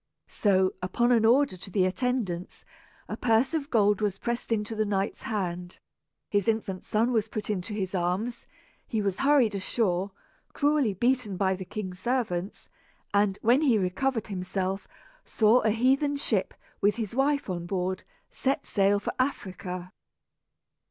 So, upon an order to the attendants, a purse of gold was pressed into the knight's hand, his infant son was put into his arms, he was hurried ashore, cruelly beaten by the king's servants, and, when he recovered himself, saw a heathen ship, with his wife on board, set sail for Africa.